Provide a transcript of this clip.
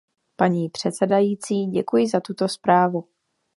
Paní předsedající, děkuji za tuto zprávu.